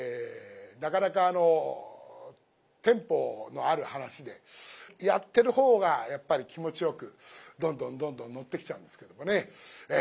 なかなかあのテンポのある噺でやってるほうがやっぱり気持ちよくどんどんどんどん乗ってきちゃうんですけどもね。